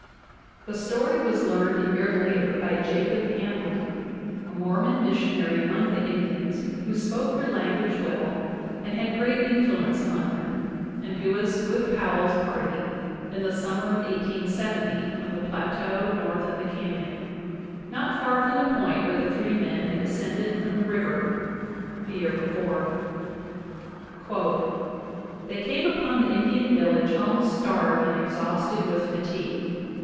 The story 60 JOHN WESLEY POWKLL DAVIS was learned a year later by Jacob Hamblin, a Mormon mis sionary among the Indians, who spoke their language well and had great influence among them, and who was with Powell's party in the summer of 1870 on the plateau north of the can yon, not far from the point where the three men had ascended_ from the river the year before. "They came upon the Indian village almost starved and exhausted with fatigue.